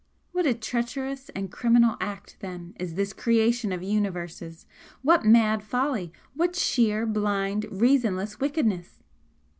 What a treacherous and criminal act, then, is this Creation of Universes! what mad folly! what sheer, blind, reasonless wickedness!"